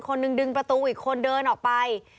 คนหนึ่งดึงประตูอีกคนเดินออกไป